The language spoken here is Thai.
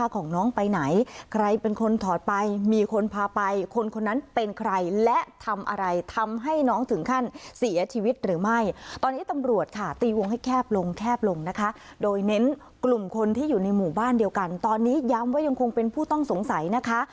ของแคบลงนะคะโดยเน้นกลุ่มคนที่อยู่ในหมู่บ้านเดียวกันตอนนี้ย้ำว่ายังคงเป็นผู้ต้องสงสัยนะคะ